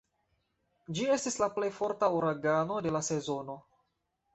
Ĝi estis la plej forta uragano de la sezono.